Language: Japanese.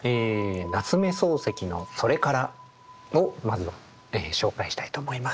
夏目漱石の「それから」をまずは紹介したいと思います。